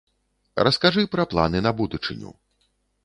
Раскажы пра планы на будучыню.